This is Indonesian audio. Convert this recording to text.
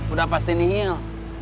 udah pasti nihil